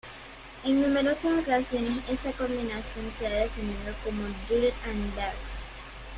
En numerosas ocasiones, esa combinación se ha definido como drill and bass.